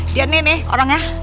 dia nih nih orangnya